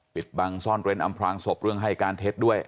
ปิดบังซ่อนเร้นอำพลางศพเรื่องให้การเท็จด้วย